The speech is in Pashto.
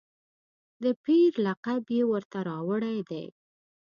د پیر لقب یې ورته راوړی دی.